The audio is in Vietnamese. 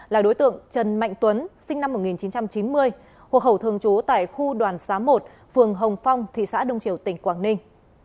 là đối tượng trần mạnh tuấn sinh năm một nghìn chín trăm chín mươi hồ khẩu thường trú tại khu đoàn xá một phường hồng phong thị xã đông triều tỉnh quảng ninh